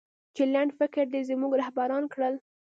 چې لنډفکره دې زموږه رهبران کړل